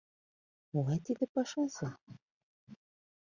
Могай тиде пашазе?